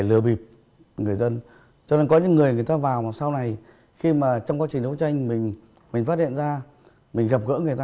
lê vi dân lúc là đô